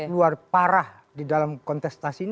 luar parah di dalam kontestasi ini